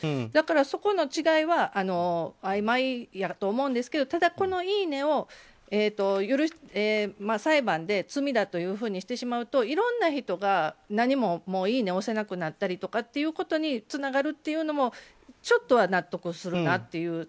だから、そこの違いはあいまいやと思うんですけどただ、このいいねを裁判で罪だというふうにしてしまうといろんな人が何もいいね押せなくなったりとかっていうことにつながるというのもちょっとは納得するなという。